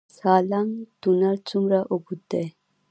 سالنګ تونل څومره اوږد دی؟